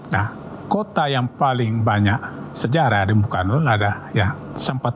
nah kota yang paling banyak sejarah di bung karno adalah yang sempat di bukarno